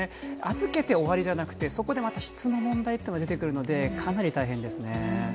預けて終わりじゃなくてまた質の問題というのも出てくるのでかなり大変ですね。